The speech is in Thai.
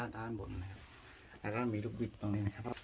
ต้านบน